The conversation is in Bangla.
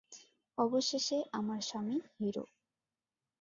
অবশেষে, আমার স্বামী, হিরো।